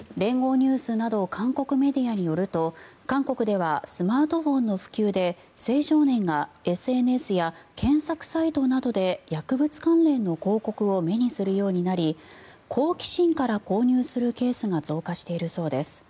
ニュースなど韓国メディアによると韓国ではスマートフォンの普及で青少年がＳＮＳや検索サイトなどで薬物関連の広告を目にするようになり好奇心から購入するケースが増加しているそうです。